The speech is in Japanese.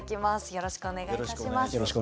よろしくお願いします。